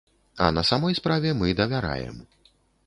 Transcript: А на самой справе мы давяраем.